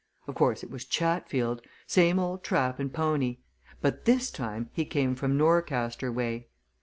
Of course, it was Chatfield same old trap and pony but this time he came from Norcaster way.